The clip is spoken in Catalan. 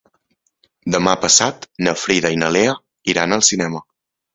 Demà passat na Frida i na Lea iran al cinema.